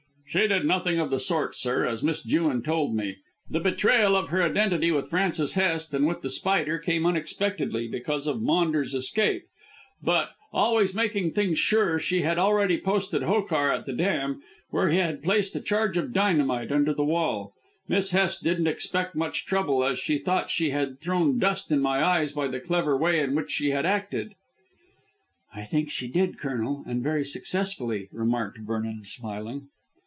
"She did nothing of the sort, sir, as Miss Jewin told me. The betrayal of her identity with Francis Hest and with The Spider came unexpectedly because of Maunders' escape. But, always making things sure, she had already posted Hokar at the dam, where he had placed a charge of dynamite under the wall. Miss Hest didn't expect trouble, as she thought she had thrown dust in my eyes by the clever way in which she had acted." "I think she did, Colonel, and very successfully," remarked Vernon smiling.